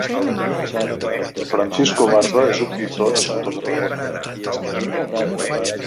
Francisco Barba és un pintor nascut a Tarragona.